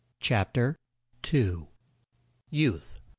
CHAPTER II. YOUTH.